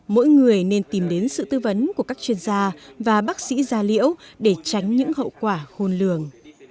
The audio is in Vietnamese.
mỗi người nên tìm đến sự tư vấn của các chuyên gia và bác sĩ gia liễu để tránh những hậu quả khôn lường